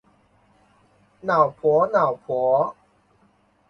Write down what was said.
脑婆脑婆